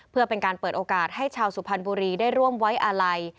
เพื่อเป็นการเปิดโอกาสให้ชาวสุพรรณบุรีได้ร่วมไว้อาลัย